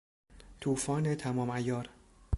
توفان تمام عیار